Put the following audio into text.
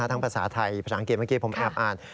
ภาษาไทยภาษาอังกฤษเมื่อกี้ผมแอบอ่าน